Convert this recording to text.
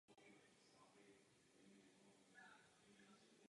Naše námořní operace Atalanta byla široce přivítána jako úspěch.